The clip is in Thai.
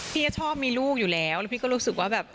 พี่ก็ชอบมีลูกอยู่แล้วแล้วพี่ก็รู้สึกว่าแบบ